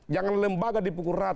jangan lembaga dipukul rata